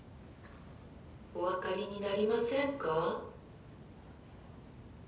おわかりになりませんか？